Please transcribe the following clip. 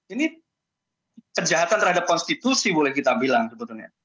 ini kejahatan terhadap konstitusi boleh kita bilang sebetulnya